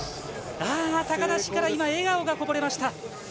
ああ、高梨から今、笑顔がこぼれました。